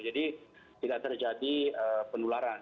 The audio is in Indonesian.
jadi tidak terjadi penularan